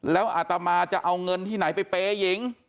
แล้วอาตามาจะเอาเงินที่ไหนไปเบียง